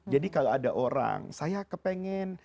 jadi kalau ada orang saya kepengen